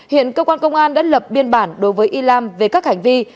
hiện cơ quan công an đã lập biên bản đối với i lam về các hành vi